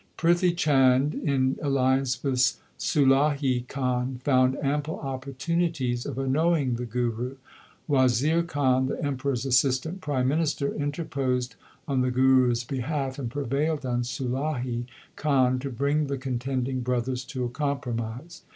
1 Prithi Chand in alliance with Sulahi Khan found ample opportunities of annoying the Guru. Wazir Khan, the Emperor s assistant Prime Minister, inter posed on the Guru s behalf and prevailed on Sulahi Khan to bring the contending brothers to a com promise.